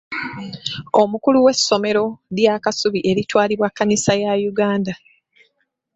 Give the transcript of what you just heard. Omukulu w'essomero lya Kasubi eritwalibwa Kannisa ya Uganda.